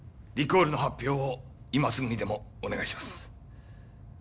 リコールの発表を今すぐにでもお願いします